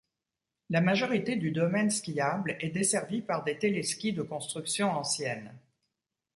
La majorité du domaine skiable est desservie par des téléskis de construction ancienne.